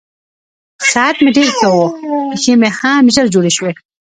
صحت مې ډېر ښه و، پښې مې هم ژر جوړې شوې.